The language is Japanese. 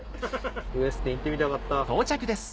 ウェスティン行ってみたかった。